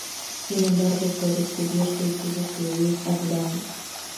Sin embargo, fue descubierto y tuvo que huir a Durango.